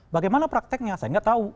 bagaimana prakteknya saya nggak tahu